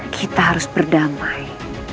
kita harus berdamai